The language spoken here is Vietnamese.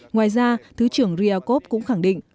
ngoài ra thứ trưởng ryabkov cũng khẳng định